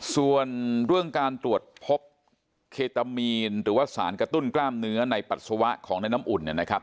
ส่วนเรื่องการตรวจพบเคตามีนหรือว่าสารกระตุ้นกล้ามเนื้อในปัสสาวะของในน้ำอุ่นเนี่ยนะครับ